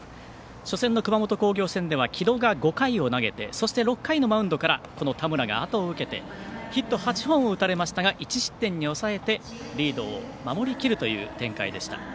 初戦の熊本工業戦では城戸が５回を投げてそして、６回のマウンドから田村があとを受けてヒット８本を打たれましたが１失点に抑えてリードを守りきる展開でした。